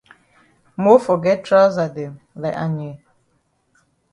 Mofor get trousa dem like Anye.